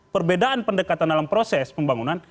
perbedaan pendekatan dalam proses pembangunan